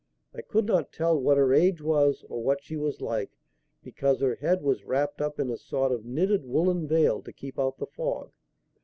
I could not tell what her age was, or what she was like, because her head was wrapped up in a sort of knitted, woollen veil to keep out the fog.